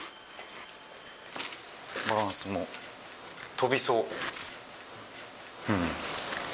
バランスも、飛びそう。